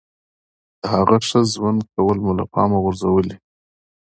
د هغه ښه ژوند کول مو له پامه غورځولي.